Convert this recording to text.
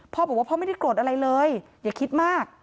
พ่อบอกว่าพ่อไม่ได้โกรธอะไรเลยอย่าคิดมาก